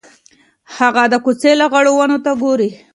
هغه د کوڅې لغړو ونو ته ګوري.